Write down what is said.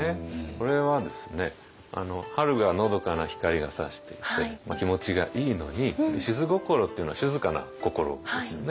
これはですね春がのどかな光がさしていて気持ちがいいのに「しづ心」っていうのは「静かな心」ですよね。